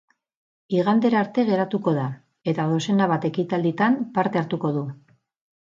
Igandera arte geratuko da, eta dozena bat ekitalditan parte hartuko du.